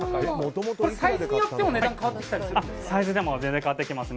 サイズによっても値段が変わってきたりします。